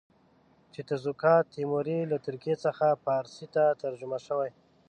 چې تزوکات تیموري له ترکي څخه فارسي ته ترجمه شوی.